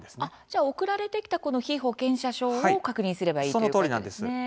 じゃあ送られてきたこの被保険者証を確認すればいいということですね。